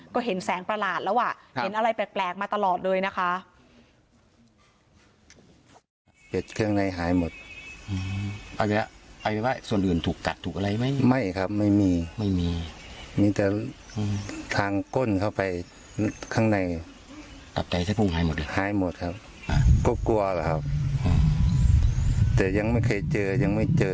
ก็เห็นแสงประหลาดแล้วอ่ะเห็นอะไรแปลกมาตลอดเลยนะคะ